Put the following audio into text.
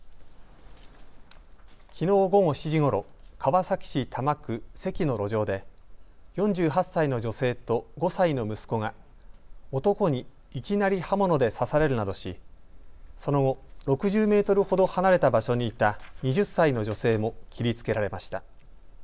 きのう午後７時ごろ川崎市多摩区堰の路上で４８歳の女性と５歳の息子が男にいきなり刃物で刺されるなどしその後、６０メートルほど離れた場所にいた２０歳の女性も切りつけられました。